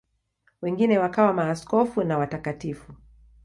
Wengine wakawa maaskofu na watakatifu.